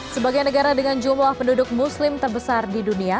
sebagai negara dengan jumlah penduduk muslim terbesar di dunia